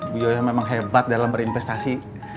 bu yoyo memang hebat dalam berinvestasi